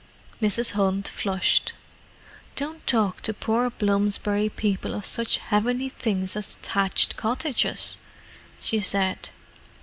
Mrs. Hunt flushed. "Don't talk to poor Bloomsbury people of such heavenly things as thatched cottages," she said.